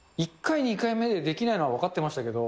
１回、２回目でできないのは分かってましたけど。